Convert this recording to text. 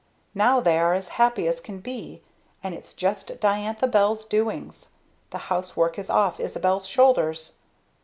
Now they are as happy as can be and it's just Diantha Bell's doings. The housework is off Isabel's shoulders.